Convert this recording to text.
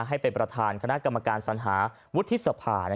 ให้เป็นประธานคณะกรรมการสัญหาวุฒิสภา